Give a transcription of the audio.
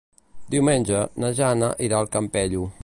Diumenge na Joana irà al Campello.